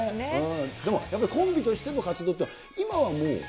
でもやっぱり、コンビとしての活動っていうのは、今はもう。